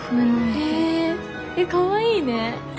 へえかわいいね。